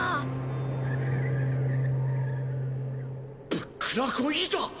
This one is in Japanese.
ブックラコイータ！？